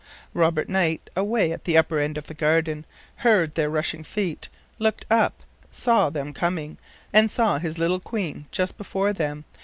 Robert Knight, away at the upper end of the garden, heard their rushing feet, looked up, saw them coining, and saw his little queen just before them.